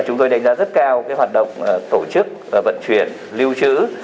chúng tôi đánh giá rất cao hoạt động tổ chức vận chuyển lưu trữ